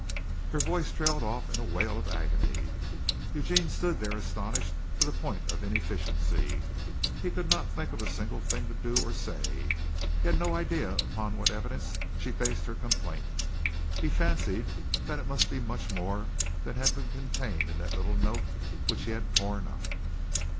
Her voice trailed off in a wail of agony. Eugene stood there astonished to the point of inefficiency. He could not think of a single thing to do or say. He had no idea upon what evidence she based her complaint. He fancied that it must be much more than had been contained in that little note which he had torn up.